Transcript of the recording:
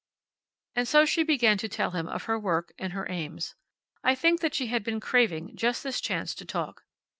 And so she began to tell him of her work and her aims. I think that she had been craving just this chance to talk.